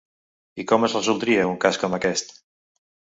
I com es resoldria un cas com aquest?